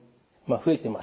増えてます。